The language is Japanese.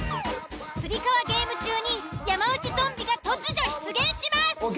つり革ゲーム中に山内ゾンビが突如出現します！